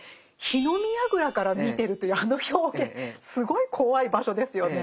火の見やぐらから見てるというあの表現すごい怖い場所ですよね。